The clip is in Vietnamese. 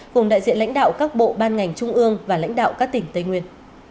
cùng đại diện lãnh đạo các bộ ban ngành trung ương và lãnh đạo các tỉnh tây nguyên